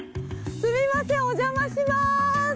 すみませんお邪魔しまーす！